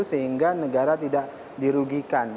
sehingga negara tidak dirugikan